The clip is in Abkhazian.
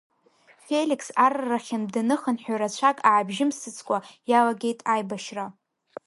Феликс аррахьынтә даныхынҳәы рацәак аабжьымсыцкәа иалагеит аибашьра.